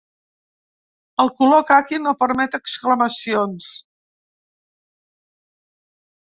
El color caqui no permet exclamacions.